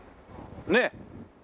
ねえ。